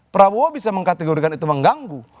prabowo bisa mengkategorikan itu mengganggu